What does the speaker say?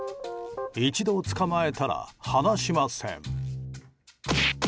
一度捕まえたら離しません。